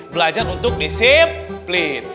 belajar untuk disiplin